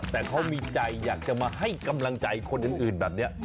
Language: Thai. แต่เขามีใจอยากจะมาให้กำลังใจคนอื่นแบบนี้